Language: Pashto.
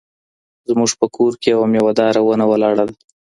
زموږ په کور کي یوه مېوه داره ونه ولاړه ده.